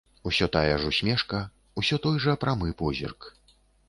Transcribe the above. Усё тая ж усмешка, усё той жа прамы позірк.